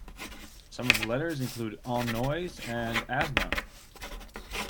Some of the letters include "On Noise" and "Asthma".